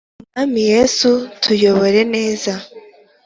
mwami yesu, tuyobore neza ,